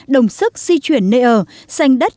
đồng sức di chuyển nơi ở xanh đất